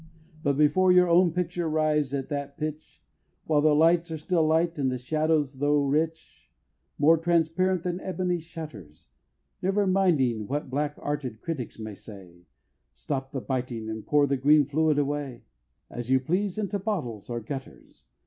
But before your own picture arrives at that pitch, While the lights are still light, and the shadows, though rich, More transparent than ebony shutters, Never minding what Black Arted critics may say, Stop the biting, and pour the green fluid away, As you please, into bottles or gutters.